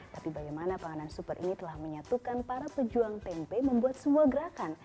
tapi bagaimana panganan super ini telah menyatukan para pejuang tempe membuat semua gerakan